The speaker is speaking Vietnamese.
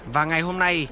và ngày hôm nay